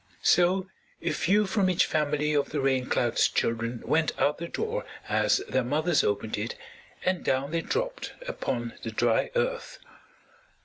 So a few from each family of the Rain Cloud's children went out the door as their mothers opened it and down they dropped upon the dry Earth.